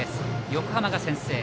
横浜が先制。